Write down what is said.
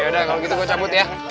yaudah kalo gitu gue cabut ya